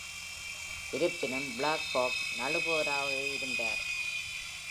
இருப்பினும் Black Hawk நழுவுபவராகவே இருந்தார்.